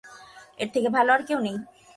এর থেকে ভালো আর কেউ নেই।